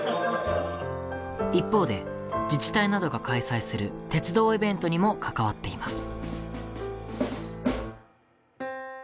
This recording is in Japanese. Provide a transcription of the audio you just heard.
一方で自治体などが開催する鉄道イベントにも関わっています。